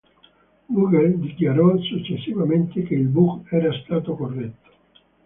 Google dichiarò successivamente che il bug era stato corretto.